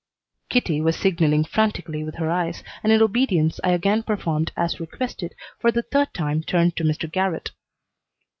Kitty was signaling frantically with her eyes, and in obedience I again performed as requested, for the third time turned to Mr. Garrott.